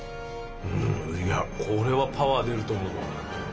うんこれはパワー出ると思うわ。